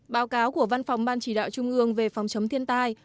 báo cáo của văn phòng ban chỉ đạo trung ương về phòng chống thiên tai